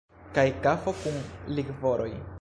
Kaj kafo kun likvoroj.